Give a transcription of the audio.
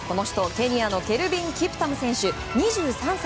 ケニアのケルビン・キプタム選手２３歳。